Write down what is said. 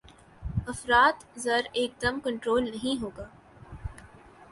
افراط زر ایکدم کنٹرول نہیں ہوگا۔